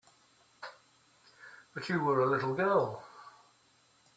But you were a little girl.